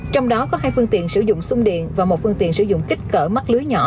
trong đó có hai phương tiện sử dụng sung điện và một phương tiện sử dụng kích cỡ mắt lưới nhỏ